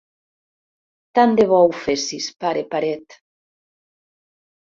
Tant de bo ho fessis, pare paret.